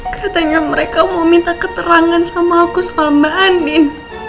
katanya mereka mau minta keterangan sama aku soal mbak anim